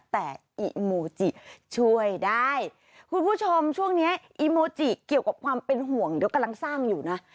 แต่อิโมจิช่วยได้คุณผู้ชมช่วงเนี้ยอีโมจิเกี่ยวกับความเป็นห่วงเดี๋ยวกำลังสร้างอยู่นะ